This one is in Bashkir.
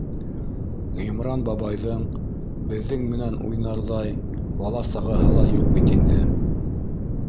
Ғимран бабайҙың беҙҙең менән уйнарҙай бала-сағаһы ла юҡ бит инде.